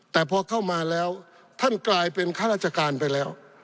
แต่พอเข้ามาแล้วท่านกลายเป็นข้าราชการไปแล้ว